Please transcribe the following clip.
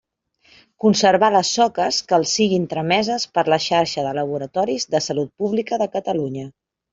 Conservar les soques que els siguin trameses per la xarxa de laboratoris de Salut Pública de Catalunya.